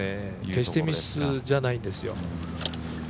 決してミスじゃないんですよ。